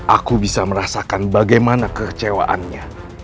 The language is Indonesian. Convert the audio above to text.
aku bisa merasakan bagaimana kekecewaannya